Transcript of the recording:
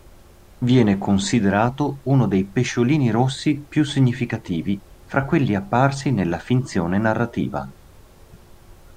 Viene considerato uno dei pesciolini rossi più significativi fra quelli apparsi nella finzione narrativa